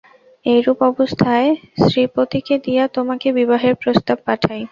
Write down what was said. এইরূপ অবস্থায় শ্রীপতিকে দিয়া তোমাকে বিবাহের প্রস্তাব পাঠাই।